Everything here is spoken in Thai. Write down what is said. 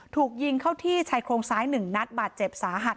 ถูกยิงเข้าที่ชายโครงซ้าย๑นัดบาดเจ็บสาหัส